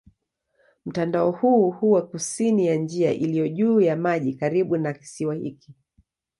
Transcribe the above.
Mtandao huu huwa kusini ya njia iliyo juu ya maji karibu na kisiwa hiki.